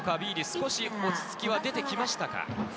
少し落ち着きは出てきましたか？